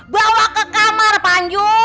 bawa ke kamar panju